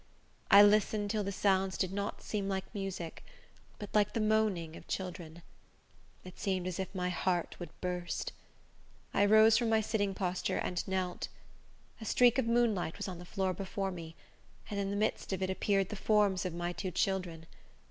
I listened till the sounds did not seem like music, but like the moaning of children. It seemed as if my heart would burst. I rose from my sitting posture, and knelt. A streak of moonlight was on the floor before me, and in the midst of it appeared the forms of my two children.